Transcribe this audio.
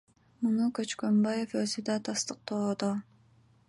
Муну Көчкөнбаев өзү да тастыктоодо.